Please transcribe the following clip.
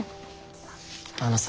あのさ。